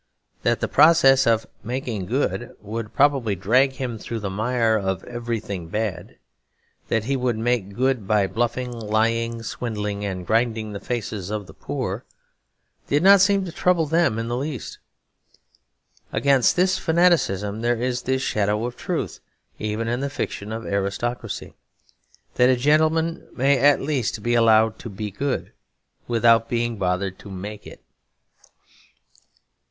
That the process of making good would probably drag him through the mire of everything bad, that he would make good by bluffing, lying, swindling, and grinding the faces of the poor, did not seem to trouble them in the least. Against this fanaticism there is this shadow of truth even in the fiction of aristocracy; that a gentleman may at least be allowed to be good without being bothered to make it.